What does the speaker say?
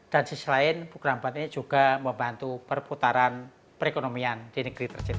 dan sisi lain program ini juga membantu perputaran perekonomian di negeri tercipta